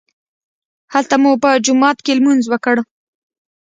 هلته مو په جومات کې لمونځ وکړ.